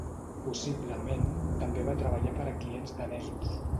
Possiblement també va treballar per a clients danesos.